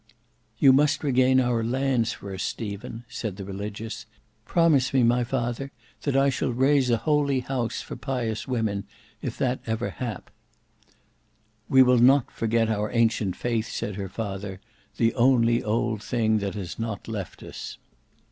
"You must regain our lands for us, Stephen," said the Religious; "promise me my father that I shall raise a holy house for pious women, if that ever hap." "We will not forget our ancient faith," said her father, "the only old thing that has not left us."